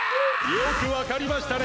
よくわかりましたね。